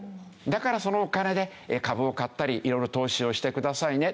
だからそのお金で株を買ったり色々投資をしてくださいね。